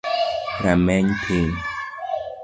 Rameny piny